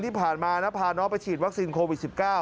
ที่ผ่านมานะพาน้องไปฉีดวัคซีนโควิด๑๙